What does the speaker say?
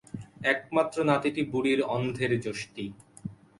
একমাত্র নাতিটি বুড়ির অন্ধের যষ্টি।